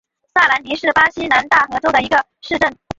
萨兰迪是巴西南大河州的一个市镇。